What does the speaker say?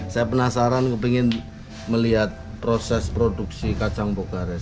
saya penasaran ingin melihat proses produksi kacang bogares